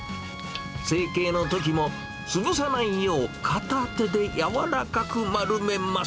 成形のときも、潰さないよう、片手でやわらかく丸めます。